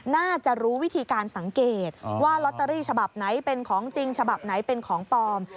น่าจะรู้วิธีการสังเกตว่าลอตเตอรี่ฉบับไหนเป็นของจริงฉบับไหนเป็นของปลอม